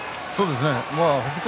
北勝